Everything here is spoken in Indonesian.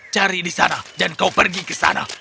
cari di sana dan kau pergi ke sana